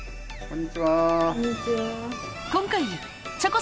こんにちは。